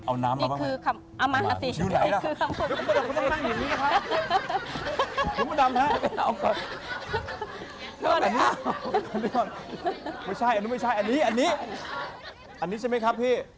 เอาน้ำมาบ้างไหมดีไหมวันชีทุไรละ